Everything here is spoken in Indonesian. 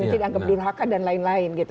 yang dianggap dirhaka dan lain lain gitu